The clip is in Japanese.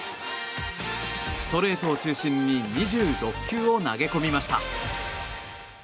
ストレートを中心に２６球を投げ込みました。